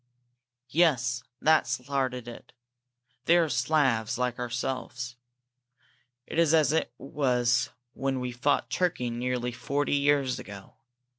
"Yes. That started it. They are Slavs, like ourselves. It is as it was when we fought Turkey nearly forty years ago.